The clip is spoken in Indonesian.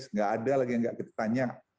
nggak ada lagi yang nggak kita tanya